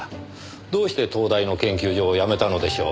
どうして東大の研究所を辞めたのでしょう？